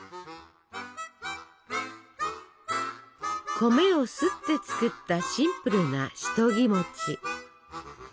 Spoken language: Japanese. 米をすって作ったシンプルなシトギ。